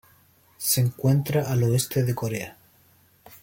Se encuentra al oeste de Corea.